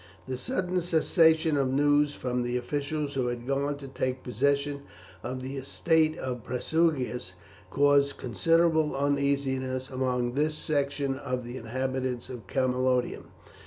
The sudden cessation of news from the officials who had gone to take possession of the estate of Prasutagus caused considerable uneasiness among this section of the inhabitants of Camalodunum.